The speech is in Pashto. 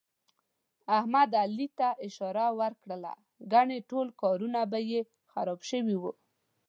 احمد ته علي اشاره ور کړله، ګني ټول کارونه به یې خراب شوي وو.